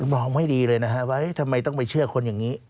มองไม่ดีเลยนะฮะว่าทำไมต้องไปเชื่อคนอย่างนี้